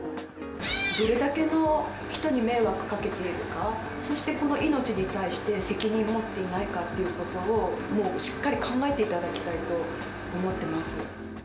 どれだけの人に迷惑かけているか、そして、この命に対して責任を持っていないかということを、もうしっかり考えていただきたいと思ってます。